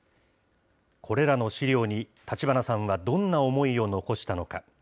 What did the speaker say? これらの資料に立花さんはどんな思いを残したのか。